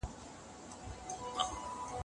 خپل بدن مدام په حرکت کي ساتئ.